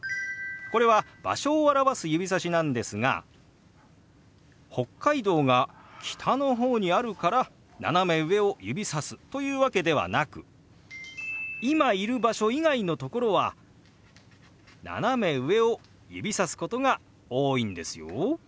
これは場所を表す指さしなんですが北海道が北の方にあるから斜め上を指さすというわけではなく今いる場所以外の所は斜め上を指さすことが多いんですよ。